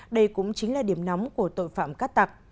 đây cũng chính là điểm nóng của tội phạm cát tặc